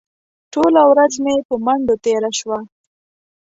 ټوله ورځ مې په منډو تېره شوه.